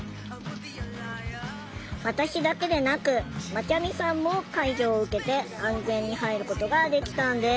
私だけでなくまちゃみさんも介助を受けて安全に入ることができたんです。